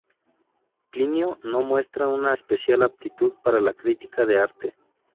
Plinio no muestra una especial aptitud para la crítica de arte.